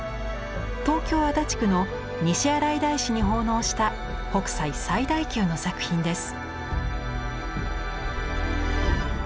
東京・足立区の西新井大師に奉納した北斎最大級の作品です。